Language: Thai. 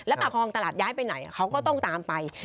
ปากคลองตลาดย้ายไปไหนเขาก็ต้องตามไป